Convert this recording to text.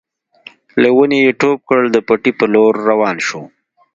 له ونې يې ټوپ کړ د پټي په لور روان شو.